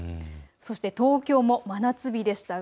そして東京も真夏日でした。